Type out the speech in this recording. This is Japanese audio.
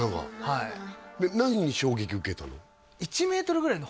はいで何に衝撃受けたの？